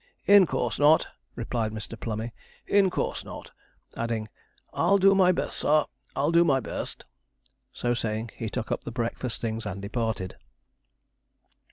'In course not,' replied Mr. Plummey, 'in course not,' adding, 'I'll do my best, sir I'll do my best.' So saying, he took up the breakfast things and departed.